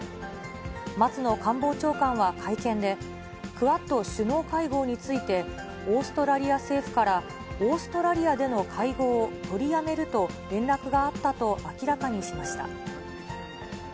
松野官房長官は会見で、クアッド首脳会合について、オーストラリア政府からオーストラリアでの会合を取りやめると連絡があったと明らかにしました。